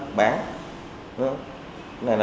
cái nhà rộng quá